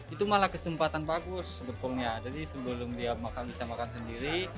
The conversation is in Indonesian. itu malah kesempatan bagus sebetulnya jadi sebelum dia makan bisa makan sendiri